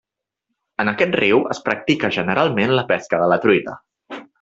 En aquest riu es practica generalment la pesca de la truita.